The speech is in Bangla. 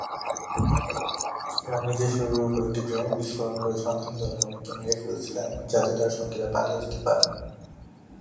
রাম নিজের শরীরের উপর একটি গ্রেনেড বিস্ফোরণ করে সন্ধানী দলের অনেককে মেরে ফেলেছিলেন, যাতে তাঁর সঙ্গীরা পালিয়ে যেতে পারেন।